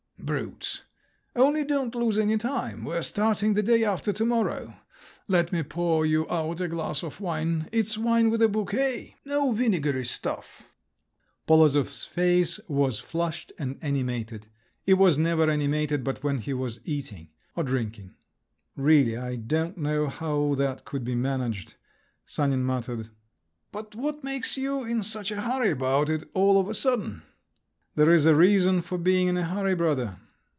Brutes! Only don't lose any time. We're starting the day after to morrow. Let me pour you out a glass of wine; it's wine with a bouquet—no vinegary stuff." Polozov's face was flushed and animated; it was never animated but when he was eating—or drinking. "Really, I don't know, how that could be managed," Sanin muttered. "But what makes you in such a hurry about it all of a sudden?" "There is a reason for being in a hurry, brother."